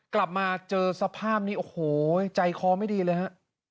กลับมาเจอสภาพนี้โอ้โหใจคอไม่ดีเลยฮะ